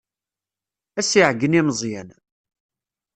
Ad as-iɛeyyen i Meẓyan.